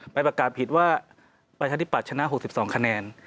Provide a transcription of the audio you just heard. ประกาศผิดว่าประชาธิปัตยชนะ๖๒คะแนน